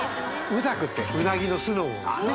鰻ざくってうなぎの酢の物ですね